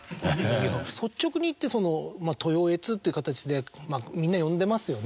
率直に言ってトヨエツっていう形でみんな呼んでますよね。